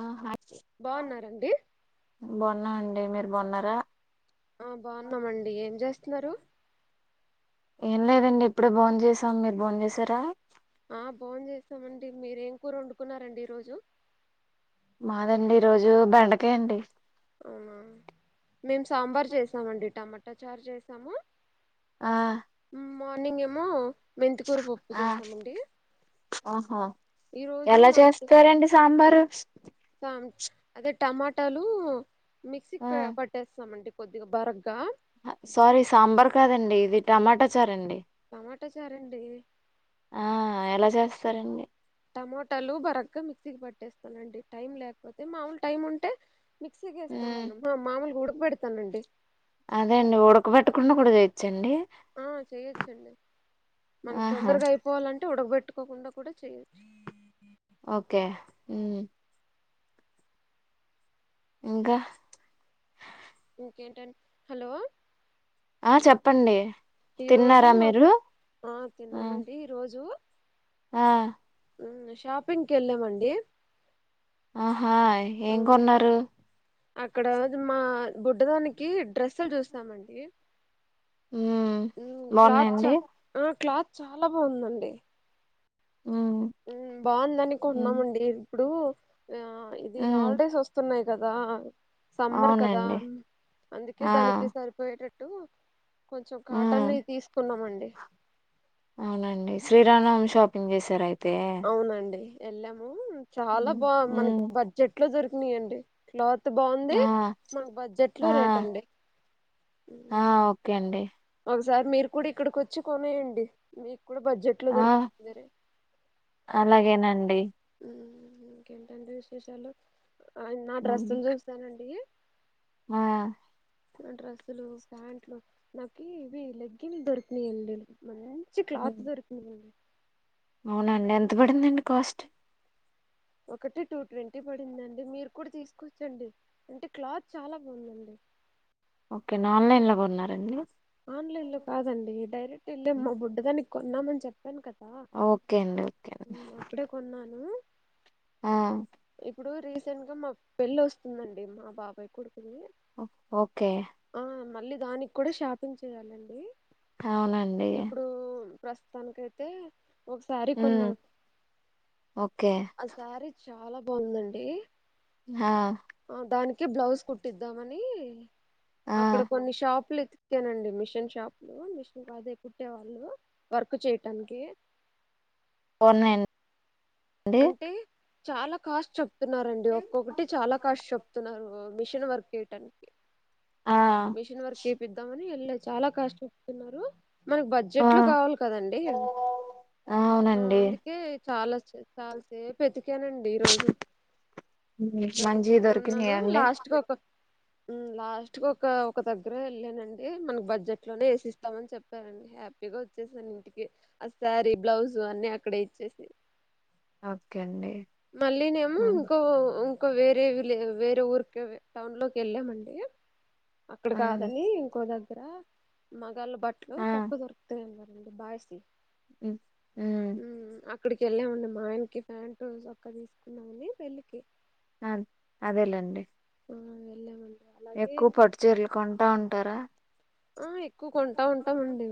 ఆ బాగున్నారండి బాగున్నామండి మీరు బాగున్నారా ఆ బాగున్నామండి ఏం జేస్తున్నారు ఏం లేదండి ఇప్పుడే బోన్ చేసాం మీరు బోన్ చేసారా ఆ బోన్ చేస్తామండి మీరేం కూర ఓండుకున్నారండి ఈరోజు మాదండి ఈ రోజు బెండకయండి ఔనా మేము సాంబార్ చేసామండి టమాటా చారు చేసాము ఆహ్ మార్నింగేమో మెంతికూరు పప్పు ఆ చేసామండి ఆహా ఈ రోజు ఎలా మా అత్త చేస్తారండి సాంబారు అదే టమాటాలు మిక్సీకి ఆ ప-పట్టేస్తామండి కొద్దిగా బర్గా సొరీ సాంబార్ కాదండి ఇది టమాటా చారండి టమాటా చారండి ఆహ్ ఎలా చేస్తారండి టమటలు బరగ్గా మిక్సీ కి పట్టేస్తానండి టైం లేకపోతే మాముూలు టైం ఉంటే మిక్సీగేస్తాను ఉమ్, మాముల్గుడుక్క పెడతానండి అదే అండి ఉడకబెట్టకుండా కూడా చేయచ్చండి ఆ చేయ్యొచ్చండి మనకి ఆహా తొందరగా అయిపోవాలంటే ఉడక్బెట్ పెట్టుకోకుండా కూడా చేయచ్చు. ఓకే ఉ ఇంకా ఇంకెంటండ్ ఆ చెప్పండి రోజు తిన్నారా మా మిరూ ఆ తిన్నామండి ఈ రోజు ఆ ఉమ్ షాపింగ్కెల్లామండి. ఆహా ఏం కొన్నారు? అక్కడా ద్ మా బుడ్డదానికి డ్రెస్సుల్ జూస్తామండి. మ్మ్ ఉమ్ క్లాత్ బాగున్నాయండి చ ఆ క్లాత్ చాలా బావుందండి. మ్మ్ ఉమ్ బావుందని మ్మ్ కొన్నామండి. ఇప్పుడు ఆ ఇది మ్మ్ ఆల్డేసొస్తున్నాయ్. గదా సమ్మర్ కదా అవునండి అందుకే ఆ దానికి సరిపోయేటట్టూ కొంచెం మ్మ్ కాటన్యీ తీస్కున్నామండి. ఏం జేసారైత్ ఔనండి ఎళ్లాము చాలా మ్మ్ బా మనకి మ్మ్ బడ్జెట్ ట్లో దొరికినాయిండి. క్లాత్ ఆ బావుంది మనకి బడ్జెట్లో ఆ రేటండి. ఆ ఒకేండి సార్ మీర్కుడిక్కడికొచ్చి కొనేయండి. మీక్కుడా బడ్జెట్లో ఆ దొరుక్ దెరే అలాగేనండి ఉమ్ ఇంకేంటండి విశేషాలు ఆ నా డ్రెస్సుల్జూస్తేనండి. ఆయా నా డ్రెస్సులు, ప్యాంట్లు నాకి ఇవి లెగ్గిన్ల్ దొర్కినయండీ. మన్ చ్చి క్లాత్ దొరికినియండి. ఔనండ్ ఎంత పడిందండి కాస్ట్? ఒకటి టూ ట్వంటీ పడిందండి. మీర్ కూడ్ తీస్కోచ్చండి అంటే క్లాత్ చాలా బావుందండి. ఒక్కేనా ఆన్లైన్లా గొన్నారండి? ఆన్లైన్లో కాదండి. డైరెక్ట్ ఎళ్ళి ఉమ్, మా బుడ్డదానిక్కొన్నామన్ చెప్పాన్ కద్ ఆ ఓకే అండి ఓకే అండి. ఉమ్ అప్పుడే కొన్నాను. ఆ ఇప్పుడు రీసెంట్ గా మా పెళ్ళొస్తుందండి మా బాబాయ్ కొడ్క్ ఒ ఓకే దానిక్కూడ షాపింగ్ చెయ్యాలండీ అవునండి ఇప్పుడూ ప్రస్తుతానికైతే ఒక్సారి మ్మ్ కొన్నాను. ఓకే ఆ సారీ చు చాలా బావుందండీ. హా కే బ్లౌజ్ కుట్టిద్దామనీ ఆ అక్కడ కొన్ని షాప్లీక్ ఓకేనండి మిషన్ షాప్లూ, మిషన్ అదే కుట్టే వాళ్ళు వర్క్ చేయ్టానికీ ఉన్నాయన్ అంటే చాలా కాస్ట్ చప్ చెప్తున్నారండి ఒక్కొక్కటి చాలా కాష్ షెప్తున్నారు మిషన్ వర్క్ ఏయ్టానికి ఆ మిషన్ వర్క్ ఏపిద్దామని ఎళ్లా చాలా కాష్ట్ చేప్తున్నారు. మనక్ ఆ బడ్జెట్లు కావాల్కదండి ఆ అవునండి అందుకే చాలా చె చాల్సేప్ ఎతిక్ కేనండి ఇ రోజు మంచి వెతకుతూనే ఉన్నాను. దొరికినాయా అండి లాస్ట్కి కొక ఉమ్ లాస్ట్ కోకా ఒక దగ్గరెళ్ళానండి. మనక్ బడ్జెట్లోనే ఏసిస్తామని చెప్పారండి హ్యాప్. హ్యాపీగా ఒచ్చేసానింటికీ అ సారీ, బ్లౌజ్ అన్నీ అక్కడే ఇచ్చేసి. ఓకే అండి మళ్ళీనేమో ఆ ఉంకో ఉన్ క్కొ వేరేవి లే వేరే ఊర్ కే టౌన్లోకెళ్ళామండీ. అక్కడ కాదని ఉంకో దగ్గర మగాళ్ళ బట్ట్లు ఆ తక్కువ దొరుక్తై అ అంటె బాయ్స్ యీ ఉ ఉమ్ ఇక్కడికెళ్ళామండి. మా ఆయనకి ప్యాంటు, చొక్కా తీసుకున్నామని పెళ్ళికి ఆన్ అదేలేండి ఆ వెళ్ళామండి అలాగే ఎక్కువ పట్టు చీరలుకొంటా ఉంటారా? ఆ ఎక్కువ కొంటా ఉంటామండి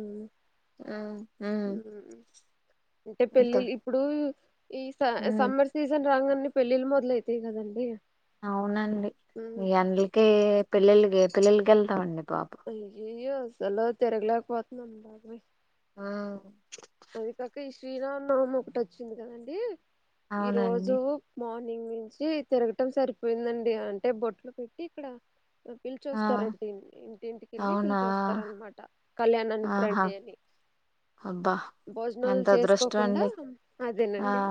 ఉమ్, ఉమ్, అంటే ఇంత పెళ్ళిల్ ఇప్పుడు ఈ స ఉమ్, సమ్మర్ సీజన్ రాంగనే పెళ్ళిళ్ మొదలయితాయి కదండి అవునండి మ్మ్ మీ ఎండ్లకి పిల్లలకి ఎ పెల్లలకి ఎళ్తామండి అయ్యయ్యోసల తిరగలేకపోతున్నామ్ బాబోయి ఆ శ్రీరామ నవమి ఒకటి వచ్చింది కదండి ఈ రోజు అవునండి మా ర్నింగ్ నించి తిరగటం సరిపోయిందండి అంటే బొట్లు పెట్టి ఇక్కడ పిలిచ ఆ వస్తారండి ఇంటింటికెళ్ళి అవునా పిలిచస్తారనమాట కళ్యాణానికి ఆహా రండి అని అబ్బా భోజనాలు ఎంత అదృష్టం చేసుకోకుండా అండి ఆ అదేనండి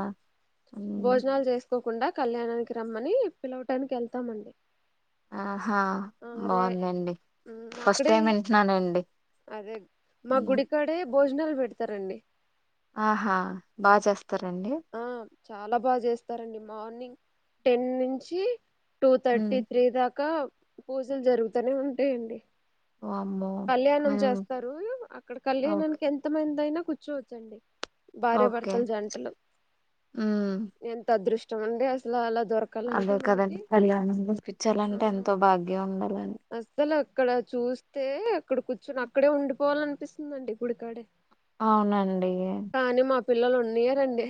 మ్మ్ భోజనాలు చేసు కోకుండా కళ్యాణానికి రమ్మని పిలవటానికి ఎళ్తామండి ఆహా బాగుందండి ఉమ్, ఫస్ట్ అక్కడే టైం ఇంటున్నానండి అదే మా గుడికాడే భోజనాలు పెడతారండి ఆహా బాగా చేస్తరండి ఆ చాలా బాగా చేస్తారండి మార్నింగ్ టెన్ నుంచి టూ మ్మ్ థర్టీ త్రీ దాకా పూజలు జరుగుతనే ఉంటాయండి వామ్మో కళ్యాణం మ్మ్ చేస్తరు అక్కడ ఓకే కళ్యాణానికి ఎంత మంది అయినా కూర్చోవచ్చండి ఓకే భార్యభర్తలు జంటలు మ్మ్ ఎంత అదృష్టం అండి అసలు అలా దొరకాలంటే అదే మనకి కదండి కళ్యాణం అ పిచ్చాలంటే ఎంతో భాగ్యం ఉండాలని అసల క్కడ చూస్తే అక్కడ కూర్చుని అక్కడే ఉండిపోవాల అనిపిస్తుందండి గుడికాడే అవునండి కానీ మా పిల్లలు ఉన్నియరండి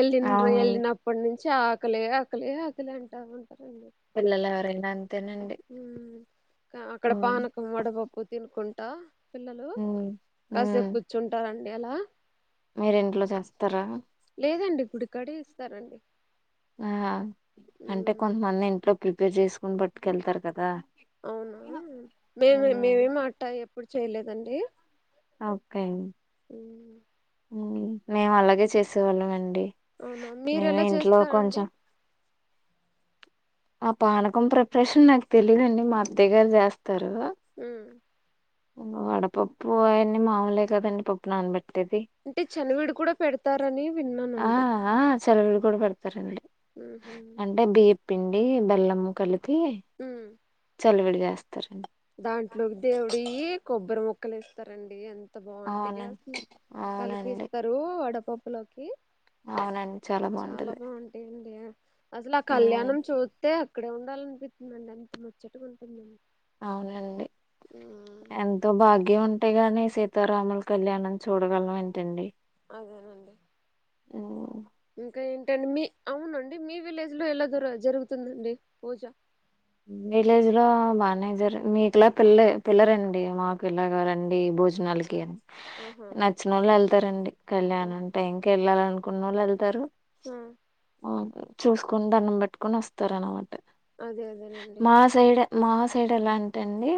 ఎల్లిండ్రు అవును ఎళ్ళినప్పటి నుంచి చి చాకలే ఆకలి ఆకలి అంటరు పిల్లలు ఎవరైనా అంతేనండి ఉమ్ అక్కడ మ్మ్ పానకం వడపప్పు తినుకుంటా పిల్లలు మ్మ్ మ్మ్ కాసేపు కూర్చుంటార ండి అలా మీరు ఇంట్లో చేస్తారా లేదండి గుడికాడే ఇస్తారండి ఆ అంటే ఉమ్ కొంతమంది ఇంట్లో ప్రిపేర్ చేసుకుని పట్టుకెళ్తారు కదా అవునా మేము మ్మ్ మేమేమి అట్టగా ఎప్పుడు చేయలేదండి ఓకే ఉమ్ మేము అలాగే చేసేవాళ్ళమండి అవునా మీరు మేమే ఎలా ఇంట్లో చేస్తారండి కొంచెం ఆ పానకం ప్రిపరేషన్ నాకు తెలీదండి మా అత్తయ్య గారు చేస్తారు ఉమ్ ఇంగ వడపప్పు అయన్నీ మాములే కదండి పప్పు నానబె అంటే చనివిడు కూడా పెడతారని విన్నానండి చినివిడి కూడా పెడతారండి ఉహు అంటే బియ్యపు పిండి బెల్లము కలిపి ఉమ్ చలివిడి చేస్ దాంట్లోకి దేవుడియి కొబ్బరి మొక్కలు ఇస్తారండి అం ఎంత బాగుంటయో అవునండి అసల అవునండి కలిపిస్తారు వడపప్పు లోకి అవునండి చాలా బాగుంటది అస్ లా ఆ ఉమ్ కళ్యాణం చూత్తే అక్కడే ఉండాలనిపిస్తుంది అండి అంత ముచ్చట్ గుంటుందండి ఔనండి ఎంతో భాగ్యం ఉన్ టేగానే సీతారాముల్ కళ్ యణం చూడగలం ఏంటండి అదేనండి ఓ ఇంకా ఏంటండి మి అవునండి మీ విలేజ్ లో ఎలా జర జరుగుతుందండి పూజ విలేజ్ లో బానే జరు మీక్ లా పిల్లె పిల్లరండి మాక్ ఇలాగా రండి భోజ్ నాల్ కి అని ఆహా నచ్ నోళ్ ఎల్ తారండి ఆ కళ్యాణం టైం కి ఎళ్ళాలనుకున్నోళ్ళు ఎళ్ తరు ఆ, ఔన్ చూస్ కొన్ దండం బెట్ కొనోస్తరన్ మాటే అదే అదేలేండి మా సైడ్ ఎలా అంటె అండి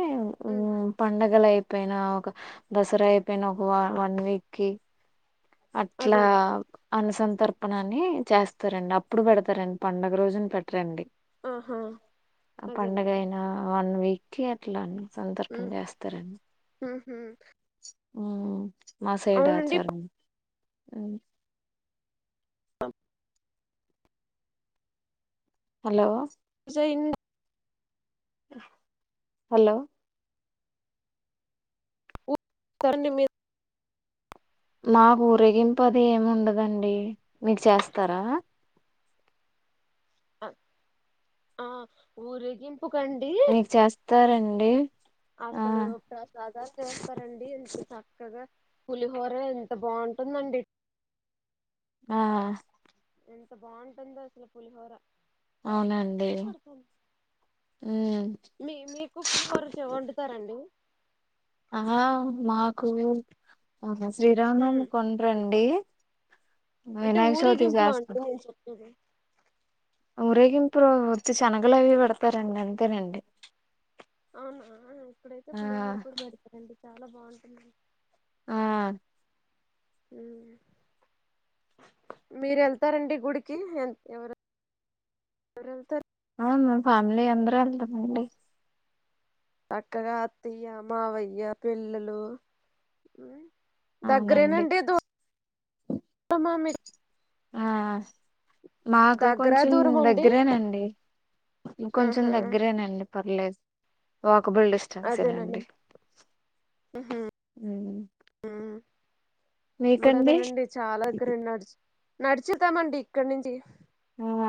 మ్మ్ ఉమ్ పండగలయిబ్ పేనా ఒక దస్ రా అయితే నో హువ వన్ వీక్ కి అట్లా అదేనండి బ్ అనుసంతర్పణ అని చేస్తరండి అప్పుడు పెడతరండ్ పండగ రోజున్ పెట్ రండి ఆహా అ అదేనండి పండగయినా వన్ వీక్ కి అట్లన్ సంత్ అర్పం మ్మ్ జేస్తరండ్ ఊహూ హ్మ్ మా సైడ్ అవునండి ఆచారమ్ హ్మ్ అమ్ హలో జెయిన్ హలో కోరండి మీర్ మాక్ ఊరేగింపు అది ఏమ్ ఉండదండి మీక్ చేస్తారా అ ఆ ఊరెగింప్ నీక్ చేస్తారండి ఆ అస్ లు ప్రసాదాల్ చేస్తారండి ఎంత చక్కగా పులిహోరే ఎంత బాఉంటుందండి ఆఆ ఎంత బాఉంటుందో అస్ లు పులిహోర ఔనండి మీ మీకు పులిహోరీ చే వండుతారండి ఆహ మాకు ఆహా శ్రీరామ్ నవ్ ఉమ్ మికి వోన్ దండ్రి అంటే ఊరేగింపులో అండి చేస్తాం నేన్ చెపేది ఊరేగింపు లొ ఓత్తి శనగలవి బేడతారండి అంతేనండి ఔనా ఇక్కడైతే ఆ పులిహోర కూడ బేడ్ తరండి చాలా బాఉంటుంది ఆ ఉమ్ మీర్ ఎల్ తారండి గుడికి ఎంత్ ఎవరో ఎవరేల్ తరు ఆ మేమ్ ఫ్యామిలీ అందరం ఎల్ తమండి అక్కడా అత్తియ్య మావయ్య పిల్లలు ఉమ్ అవునండి దగ్గరేనండి దుర్ ఆ మాకు దగ్గర కొంచమ్ దూరం అండి దగ్గరేనండి కొంచెమ్ ఆహా దగ్గరేనండి పర్ లెద్ ఓక్ కోబల్ లిస్టన్ అదేనండి సేనండీ ఉమ్ మల్ దాన్ తేనండి చాలా గరండీ నడ్ చ్ నడ్ చెల్ తమండి ఇక్కన్ నించి ఉవ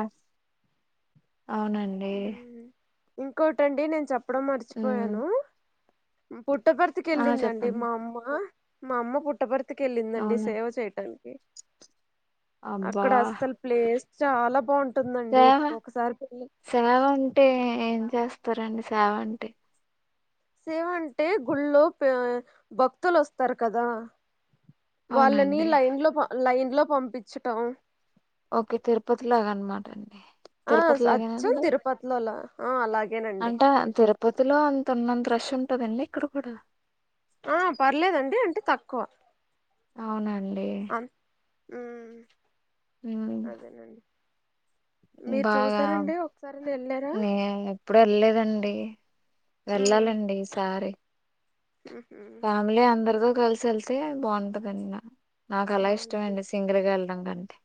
ఔనండి ఇంకొటండి నేన్ చెప్పడం మర్ మ్మ్ చిపోయాను పుట్టపర్ తికి ఆ ఎళ్ళిందండి చెప్పండి మా అమ్మ మా అమ్మ పుట్టపర్ తికి ఎళ్ళిందండి అవును సేవ చేయ్ టాన్ కి అబ్బా అక్కడ అస్సలు ప్లేస్ చాలా బావుంటుందండి సేవ ఒకసారి వెళ్ళి సేవ అంటే ఏం చేస్తారండి సేవ అంటే సేవ అంటే గుళ్ళో పె భక్తులొస్తారు కదా వాళ్ళని అవునండి లైన్ లో ప లైన్ లో పంపిచటం ఒకే తిర్ పత్ లాగ్ అన్ మాటండి ఆ స్ అచ్చం తిర్ పత్ లోలాన్ ఆ అలాగేనండి తిలో అంత ఉన్నంత రష్ ఉంటుదండి ఇక్కడ కూడా ఆ పర్లేదండి అంటే తక్కువ అవునాండి అన్- ఉమ్ అదేనండి మీరు బాగా చూసారండి ఒకసారి వెళ్ళారా నే ఎప్పుడెళ్లేదండి ఉమ్. వెళ్ళాలండి ఈ సారి ఉహు ఫ్యామిలీ అందరితో కలిసి వెళ్తే బాగుంటదన్నా నాకు అలా బాగుంటుంది ఇష్టమండి సింగల్గా ఎల డం కంటే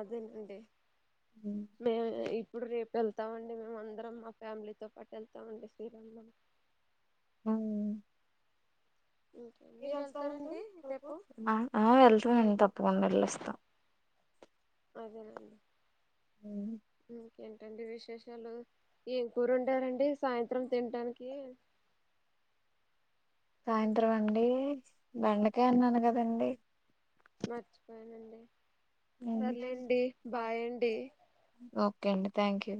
అదేనండి మే ఇ ప్పుడు రేపు వెళ్తామండి మేమందరం మా ఫ్యామిలీతో పాటు వెళ్తామండి శ్రీరామనవమికి అవునా ఇంకే మీరు వెళ్తారండి రేపు ఆ వెళ్తామండి తప్పకుండా వెళ్ళోస్తా ఉమ్ ఏంటండి విశేషాలు ఏం కూర వండారండి సాయంత్రం తింటానికి సాయంత్రం అండి బెండకాయ అన్నాను కదండి మర్చిపోయానండి సర్లేండి బాయండి కే అండి థ్యాంక్ యూ